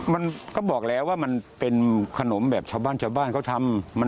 มันก็บอกแล้วว่ามันเป็นขนมแบบชาวบ้านชาวบ้านเขาทำ